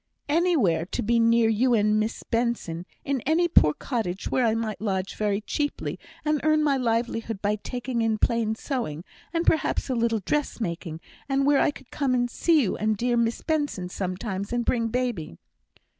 "Anywhere to be near you and Miss Benson; in any poor cottage where I might lodge very cheaply, and earn my livelihood by taking in plain sewing, and perhaps a little dressmaking; and where I could come and see you and dear Miss Benson sometimes and bring baby."